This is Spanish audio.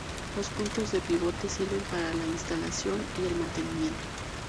Los puntos de pivote sirven para la instalación y el mantenimiento.